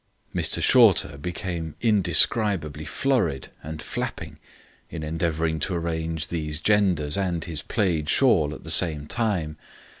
Mr Shorter became indescribably flurried and flapping in endeavouring to arrange these genders and his plaid shawl at the same time.